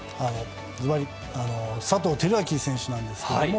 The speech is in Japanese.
ずばり佐藤輝明選手なんですけども。